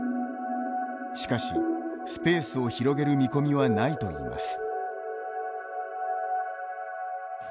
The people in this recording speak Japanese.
しかし、スペースを広げる見込みはないといいます。